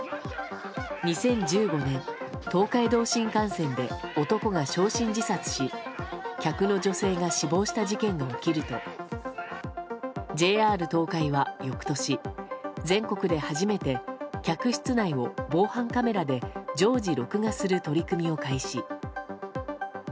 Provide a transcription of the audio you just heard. ２０１５年、東海道新幹線で男が焼身自殺し客の女性が死亡した事件が起きるとＪＲ東海は翌年、全国で初めて客室内を防犯カメラで常時録画する取り組みを開始。